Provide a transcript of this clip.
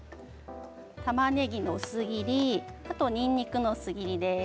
たまねぎの薄切りにんにくの薄切りです。